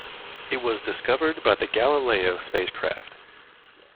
It was discovered by the "Galileo" spacecraft.